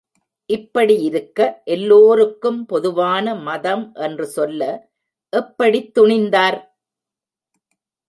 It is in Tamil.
இப்படி இருக்க, எல்லோருக்கும் பொதுவான மதம் என்று சொல்ல எப்படித் துணிந்தார்?